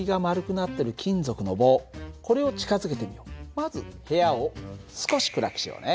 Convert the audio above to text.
まず部屋を少し暗くしようね。